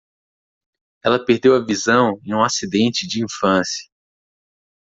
Ela perdeu a visão em um acidente de infância.